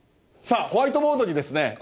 さあホワイトボートにですね